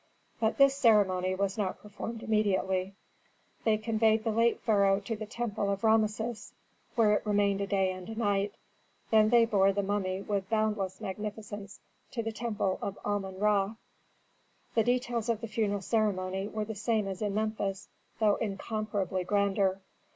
But this ceremony was not performed immediately. They conveyed the late pharaoh to the temple of Rameses, where it remained a day and a night. Then they bore the mummy with boundless magnificence to the temple of Amon Ra. The details of the funeral ceremony were the same as in Memphis, though incomparably grander.